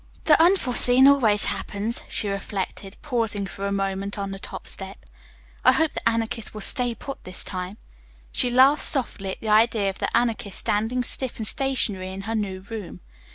"The unforeseen always happens," she reflected, pausing for a moment on the top step. "I hope the Anarchist will 'stay put' this time." She laughed softly at the idea of the Anarchist standing stiff and stationary in her new room.